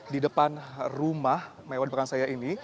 di depan rumah mewad pakan saya ini